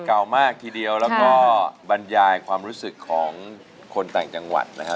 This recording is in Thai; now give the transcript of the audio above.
เก่ามากทีเดียวแล้วก็บรรยายความรู้สึกของคนต่างจังหวัดนะฮะ